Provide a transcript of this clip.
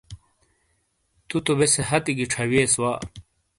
تو تو بیسے ہتھی گی چھاوئیس وا۔